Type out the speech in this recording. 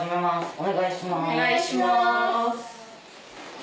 お願いします。